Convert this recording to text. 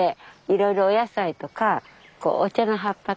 いろいろお野菜とかお茶の葉っぱとか取ってます。